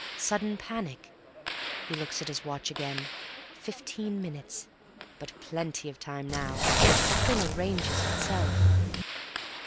Sudden panic.... (He looks at his watch again. Fifteen minutes, but plenty of time now. The thing arranges itself.)